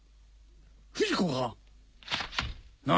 不二子か⁉何⁉